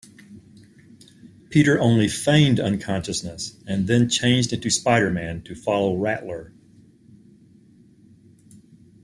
Peter only feigned unconsciousness and then changed into Spider-Man to follow Rattler.